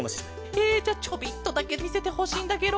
えじゃちょびっとだけみせてほしいんだケロ。